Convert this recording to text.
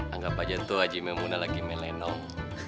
anggap aja tuh haji memona lagi melenong